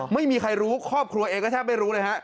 ไม่มีใครรู้ครอบครัวเองก็แทบไม่รู้เลยฮะ